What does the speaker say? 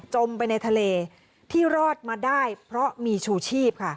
ไปในทะเลที่รอดมาได้เพราะมีชูชีพค่ะ